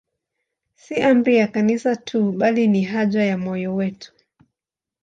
Si amri ya Kanisa tu, bali ni haja ya moyo wetu.